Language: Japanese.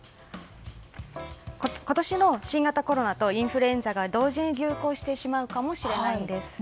今年も新型コロナとインフルエンザが同時に流行してしまうかもしれないんです。